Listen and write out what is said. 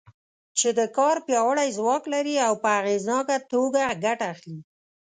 چې د کار پیاوړی ځواک لري او په اغېزناکه توګه ګټه اخلي.